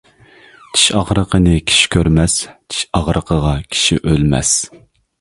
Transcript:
چىش ئاغرىقىنى كىشى كۆرمەس، چىش ئاغرىقىغا كىشى ئۆلمەس.